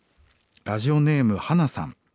ラジオネームハナさん。